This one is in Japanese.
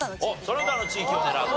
その他の地域を狙う。